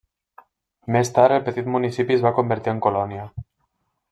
Més tard el petit municipi es va convertir en colònia.